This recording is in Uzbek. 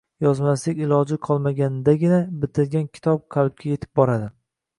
Yozmaslik iloji qolmaganidagina bitilgan kitob qalbga yetib boradi.